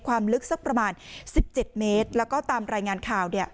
ความลึกสักประมาณ๑๗เมตรแล้วก็ตามรายงานข่าวเนี่ย